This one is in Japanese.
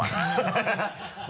ハハハ